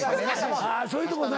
あそういうとこな。